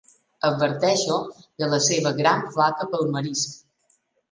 Adverteixo de la seva gran flaca pel marisc.